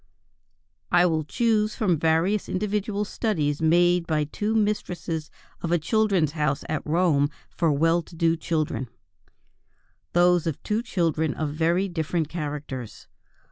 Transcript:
I will choose from various individual studies made by two mistresses of a Children's House at Rome for well to do children, those of two children of very different characters.